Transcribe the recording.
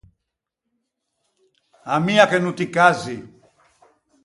Ammia che no ti cazzi!